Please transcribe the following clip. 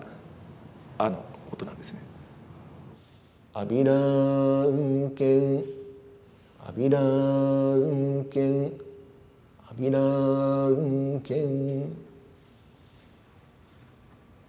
「あびらうんけんあびらうんけんあびらうんけん」。